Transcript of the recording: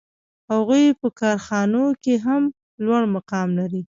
هغوی په کارخانو کې هم لوړ مقام لري